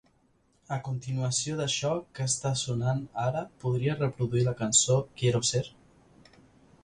A continuació d'això que està sonant ara podries reproduir la cançó "Quiero ser"?